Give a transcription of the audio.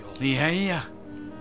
いやいや。